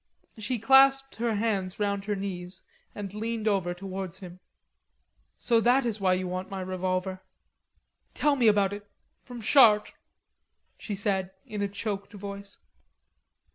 She clasped her hands round her knees and leaned over towards him. "So that is why you want my revolver.... Tell me all about it, from Chartres," she said, in a choked voice.